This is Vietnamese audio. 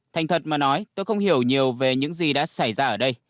thành thật mà nói tôi không hiểu nhiều về những gì đã xảy ra ở đây